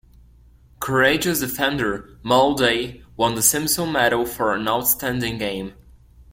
Courageous defender, Mal Day, won the Simpson Medal for an outstanding game.